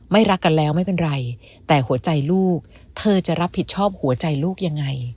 รักกันแล้วไม่เป็นไรแต่หัวใจลูกเธอจะรับผิดชอบหัวใจลูกยังไง